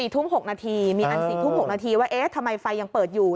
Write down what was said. ๔ทุ่ม๖นาทีมีอันถ้าทำไมไฟยังเปิดอยู่